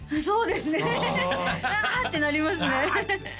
そうですね